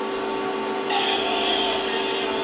Igual regreso.